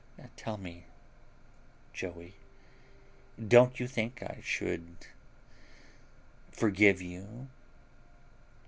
Tell me, Joey, don't you think I should forgive you?"